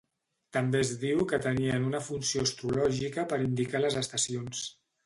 També es diu que tenien una funció astrològica per indicar les estacions.